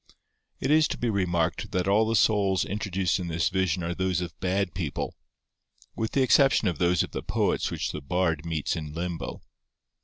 It is to be remarked that all the souls introduced in this vision are those of bad people, with the exception of those of the poets which the Bard meets in limbo.